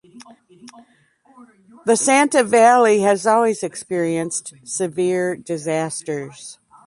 The Santa Valley has always experienced severe disasters.